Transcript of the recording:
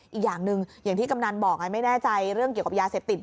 อีกอย่างหนึ่งอย่างที่กำนันบอกไงไม่แน่ใจเรื่องเกี่ยวกับยาเสพติด